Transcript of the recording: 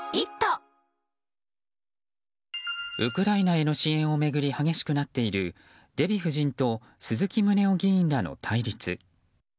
ウクライナへの支援を巡り激しくなっているデヴィ夫人と鈴木宗男議員らの対立。